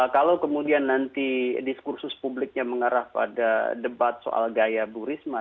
kalau kemudian nanti diskursus publiknya mengarah pada debat soal gaya bu risma